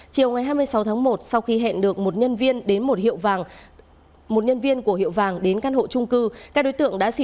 chiều ngày hai mươi sáu tháng một sau khi hẹn được một nhân viên của hiệu vàng đến căn hộ trung cư